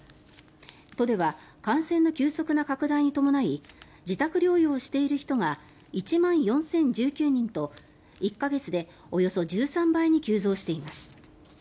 都では感染の急速な拡大に伴い自宅療養をしている人が１万４０１９人と１か月でおよそ１３倍に急増しています。